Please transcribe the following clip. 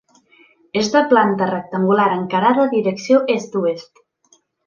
És de planta rectangular encarada direcció est-oest.